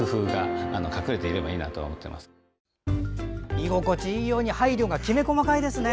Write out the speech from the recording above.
居心地がいいように配慮がきめ細かいですね。